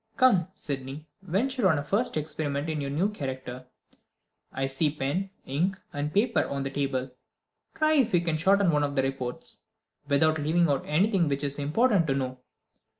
Come, Sydney! venture on a first experiment in your new character. I see pen, ink, and paper on the table; try if you can shorten one of the reports, without leaving out anything which it is important to know.